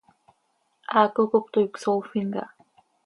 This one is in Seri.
Haaco cop toii cösoofin caha.